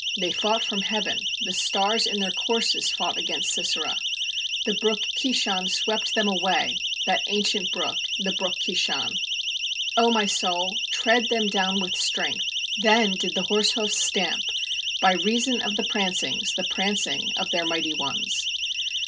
20They fought from heaven, The stars in their courses fought against Sisera. 21The brook Kishon swept them away, That ancient brook, the brook Ki shon. 0 my soul, tread them down with strength. ^Then did the horsehoofs stamp By reason of the prancings, the prancings of their mighty ones.